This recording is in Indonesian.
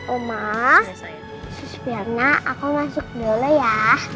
oma sus piana aku masuk dulu ya